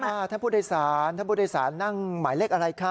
ถ้าผู้โดยสารท่านผู้โดยสารนั่งหมายเลขอะไรคะ